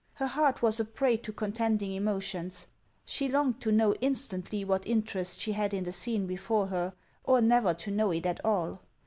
Her heart was a prey to couteDding emo tions ; she longed to know instantly what interest she had in the scene before her, or never to know it at all.